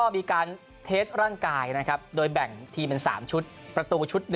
มีการเทสร่างกายนะครับโดยแบ่งทีมเป็น๓ชุดประตูชุด๑